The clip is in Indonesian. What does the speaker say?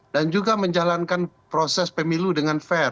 dan juga menjalankan proses pemilu dengan fair